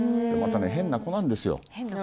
また変な子なんですよ